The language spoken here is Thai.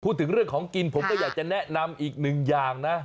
พูดถึงเรื่องของกินผมก็อยากจะแนะนำอีกหนึ่งอย่างนะ